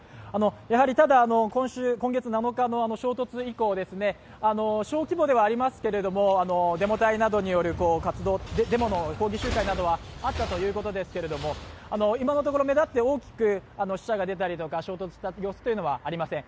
やはりただ、今週今月７日の衝突以降、小規模ではありますけれども、デモの抗議集会などはあったということですけれども、今のところ目立って大きく死者が出たとか衝突というのはありません。